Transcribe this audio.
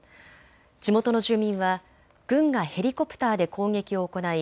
地元の住民は軍がヘリコプターで攻撃を行い